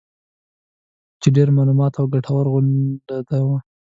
چې ډېره معلوماتي او ګټوره غونډه وه